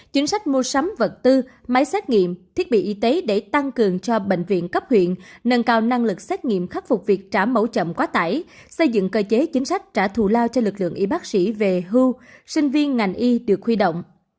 chính sách mua sắm vật tư máy xét nghiệm thiết bị y tế để tăng cường cho bệnh viện cấp huyện nâng cao năng lực xét nghiệm khắc phục việc trả mẫu chậm quá tải xây dựng cơ chế chính sách trả thù lao cho lực lượng y bác sĩ về hưu sinh viên ngành y được huy động